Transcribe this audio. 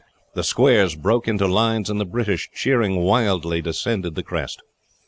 The squares broke into lines, and the British, cheering wildly, descended the crest.